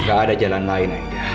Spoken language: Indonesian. gak ada jalan lain aida